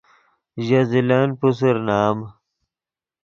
ژے زلن پوسر نام